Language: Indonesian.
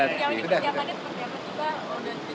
siapannya siapannya juga